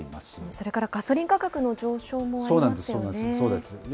それからガソリン価格の上昇もありますよね。